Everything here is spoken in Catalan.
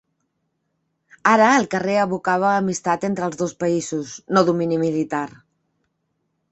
Ara, el carrer evocava amistat entre els dos països, no domini militar.